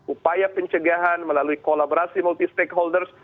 upaya pencegahan melalui kolaborasi multi stakeholders